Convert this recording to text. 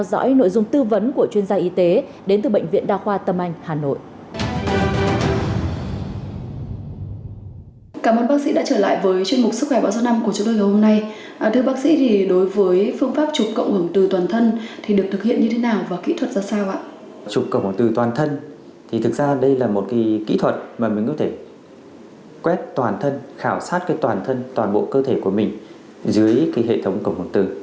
trục cộng hồn từ toàn thân thì thực ra đây là một kỹ thuật mà mình có thể quét toàn thân khảo sát toàn thân toàn bộ cơ thể của mình dưới hệ thống cộng hồn từ